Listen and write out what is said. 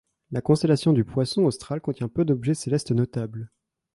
La constellation du Poisson austral contient peu d’objets célestes notables.